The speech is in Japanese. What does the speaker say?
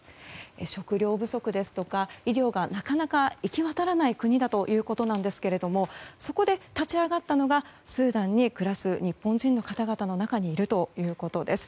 食糧不足ですとか医療がなかなか行き渡らない国だということなんですけれどもそこで立ち上がったのがスーダンに暮らす日本人の方々の中にいるということです。